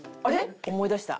思い出した。